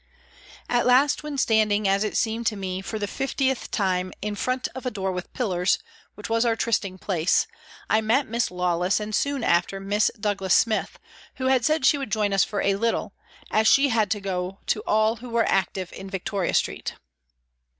At last when standing, as it seemed to me, for the fiftieth time in front of a door with pillars, which was our trysting place, I met Miss Lawless and soon after Miss Douglas Smith, who had said she would join us for a little, as she had to go to all who were " active " in Victoria Street.